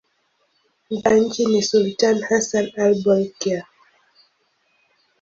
Mtawala wa nchi ni sultani Hassan al-Bolkiah.